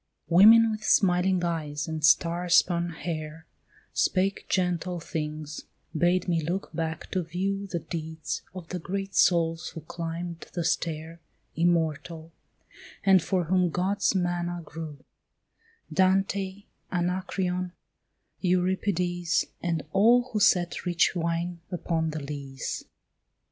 Women with smiling eyes and star spun hair Spake gentle things, bade me look back to view The deeds of the great souls who climbed the stair Immortal, and for whom God's manna grew: Dante, Anacreon, Euripides, And all who set rich wine upon the lees.